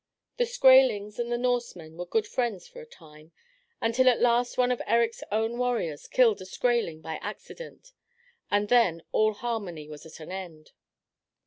The Skraelings and the Northmen were good friends for a time; until at last one of Erik's own warriors killed a Skraeling by accident, and then all harmony was at an end.